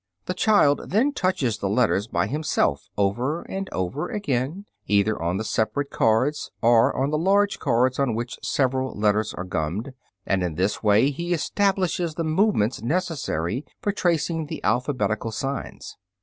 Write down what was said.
The child then touches the letters by himself over and over again, either on the separate cards or on the large cards on which several letters are gummed, and in this way he establishes the movements necessary for tracing the alphabetical signs.